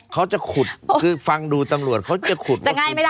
เขาจะขุดคือฟังดูตำรวจเขาจะขุดยังไง